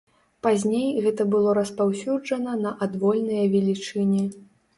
Пазней гэта было распаўсюджана на адвольныя велічыні.